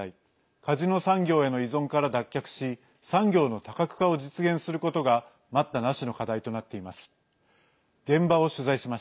カジノ産業への依存から脱却し産業の多角化を実現することが待ったなしの課題となっています。